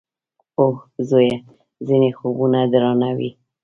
_اه ! زويه! ځينې خوبونه درانه وي.